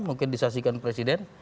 mungkin disaksikan presiden